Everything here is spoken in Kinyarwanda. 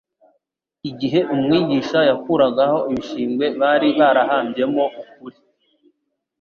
Igihe Umwigisha yakuragaho ibishingwe bari barahambyemo ukuri,